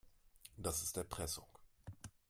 Das ist Erpressung.